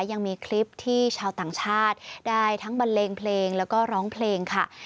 ยังมีคลิปที่ชาวต่างชาติได้ทั้งบันเลงเพลงแล้วก็ร้องเพลงค่ะ